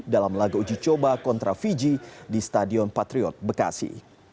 dalam laga uji coba kontra fiji di stadion patriot bekasi